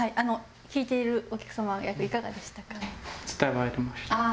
聞いているお客様役いかがでしたか？